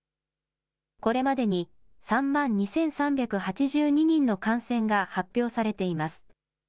これまでに３万２３８２人の感染が発表されています。